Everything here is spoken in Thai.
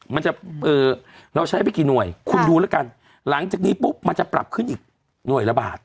มันจะเราใช้ไปกี่หน่วยคุณดูแล้วกันหลังจากนี้ปุ๊บมันจะปรับขึ้นอีกหน่วยละบาท